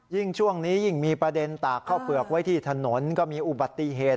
ช่วงนี้ยิ่งมีประเด็นตากข้าวเปลือกไว้ที่ถนนก็มีอุบัติเหตุ